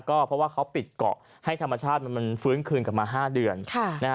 ก็เพราะว่าเขาปิดเกาะให้ธรรมชาติมันฟื้นคืนกลับมา๕เดือน